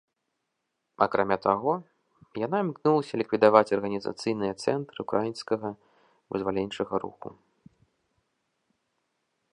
Акрамя таго, яна імкнулася ліквідаваць арганізацыйныя цэнтры ўкраінскага вызваленчага руху.